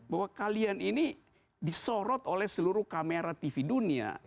bahwa kalian ini disorot oleh seluruh kamera tv dunia